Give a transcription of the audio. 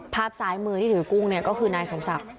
ภาพซ้ายมือที่ถือกุ้งก็คือนายสมศักดิ์